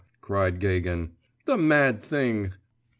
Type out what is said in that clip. cried Gagin; 'the mad thing.